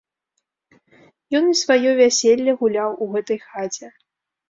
Ён і сваё вяселле гуляў у гэтай хаце.